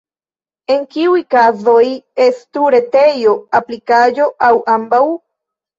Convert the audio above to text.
En kiuj kazoj estu retejo, aplikaĵo, aŭ ambaŭ?